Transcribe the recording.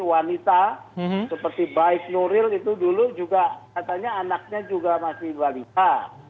wanita seperti baik nuril itu dulu juga katanya anaknya juga masih balita